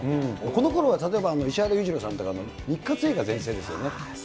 このころは例えば、石原裕次郎さんとかの日活映画の全盛ですよね。